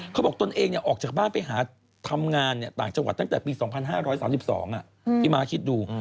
ตนเองออกจากบ้านไปหาทำงานต่างจังหวัดตั้งแต่ปี๒๕๓๒พี่ม้าคิดดู